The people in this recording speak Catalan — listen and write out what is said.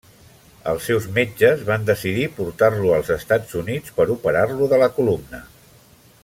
Els seus metges van decidir portar-lo als Estats Units per operar-lo de la columna.